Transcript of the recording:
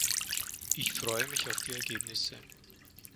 Ich freue mich auf die Ergebnisse.